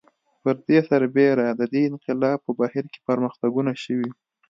پر دې سربېره د دې انقلاب په بهیر کې پرمختګونه شوي